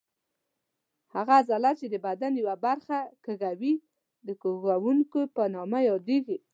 هغه عضله چې د بدن یوه برخه کږوي د کږوونکې په نامه یادېږي.